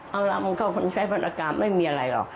เอาล่ะมันก็คนใช้พันธกรรมไม่มีอะไรหรอก